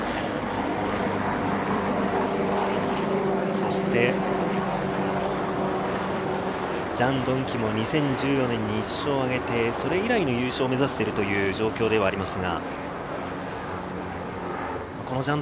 そしてジャン・ドンキュも２０１４年に１勝を挙げて、それ以来の優勝を目指しているという状況ではありますが。